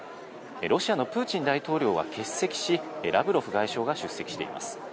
ロシアのプーチン大統領は欠席し、ラブロフ外相が出席しています。